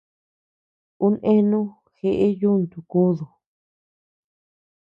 Uu eanu jeʼe yuntu kúdu.